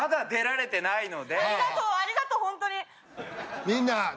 いやありがとうありがとうほんとに。